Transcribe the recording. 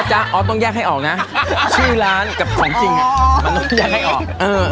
ออฟต้องแยกให้ออกนะชื่อร้านกับของจริงมันต้องแยกให้ออก